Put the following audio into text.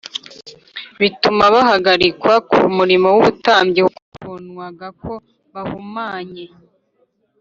o bituma bahagarikwa ku murimo w ubutambyi kuko babonwaga ko bahumanye